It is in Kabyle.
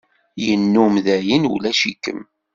Yennum dayen ulac-ikem.